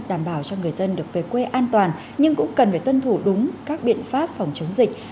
đảm bảo cho người dân được về quê an toàn nhưng cũng cần phải tuân thủ đúng các biện pháp phòng chống dịch